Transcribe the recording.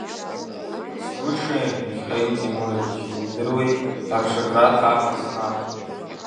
Сгәы ҽеим, Михаил Темурович, иумдыруеи аԥшакра ҭаха снаҭом.